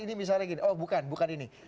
ini misalnya gini oh bukan bukan ini